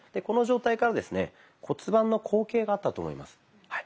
この状態からですね骨盤の後傾があったと思います。